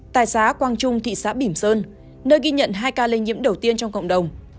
tại xã quang trung thị xã bỉm sơn nơi ghi nhận hai ca lây nhiễm đầu tiên trong cộng đồng